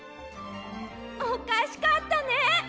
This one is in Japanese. おかしかったね！